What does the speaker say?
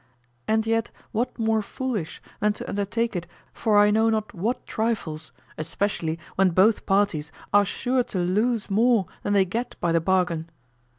And yet what more foolish than to undertake it for I know what trifles, especially when both parties are sure to lose more than they get by the bargain?